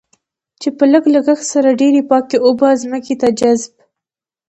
چې په لږ لګښت سره ډېرې پاکې اوبه ځمکې ته جذب.